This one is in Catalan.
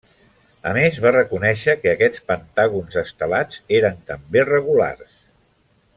A més, va reconèixer que aquests pentàgons estelats eren també regulars.